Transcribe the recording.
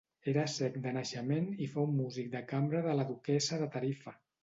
Era cec de naixement i fou músic de cambra de la duquessa de Tarifa.